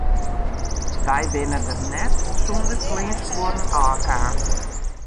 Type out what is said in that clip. Wy binne der net sûnder kleanskuorren ôfkaam.